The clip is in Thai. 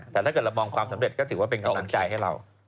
แต่ถ้าเกิดเรามองความสำเร็จก็ถือว่าเป็นกำลังใจให้เรา